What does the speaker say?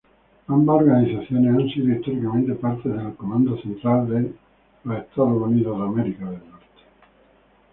Ambas organizaciones han sido históricamente parte del Comando Central de Estados Unidos.